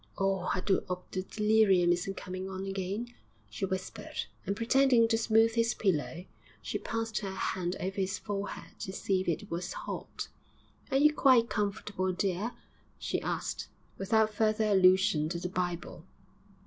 'Oh, I do 'ope the delirium isn't coming on again,' she whispered, and, pretending to smooth his pillow, she passed her hand over his forehead to see if it was hot. 'Are you quite comfortable, dear?' she asked, without further allusion to the Bible.